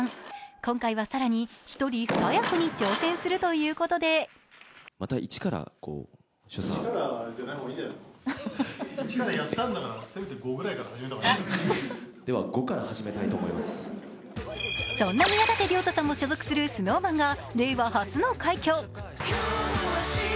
今回は更に一人二役に挑戦するということでそんな宮舘涼太さんも所属するＳｎｏｗＭａｎが令和初の快挙。